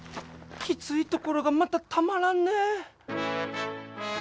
きついところがまたたまらんね。